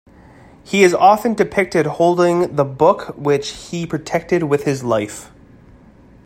He is often depicted holding the book which he protected with his life.